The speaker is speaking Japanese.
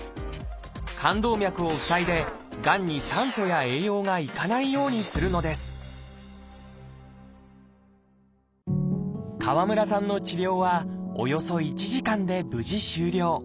肝動脈を塞いでがんに酸素や栄養が行かないようにするのです川村さんの治療はおよそ１時間で無事終了。